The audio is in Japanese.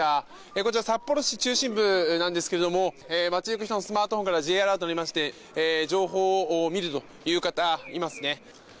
こちら、札幌市中心部ですが街行く人のスマートフォンからＪアラートが鳴りまして情報を見るという方がいますね。